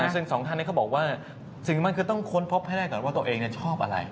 ซึ่งสองท่านนี้เขาบอกว่าสิ่งนั้นคือต้องค้นพบให้ได้ก่อนว่าตัวเองชอบอะไร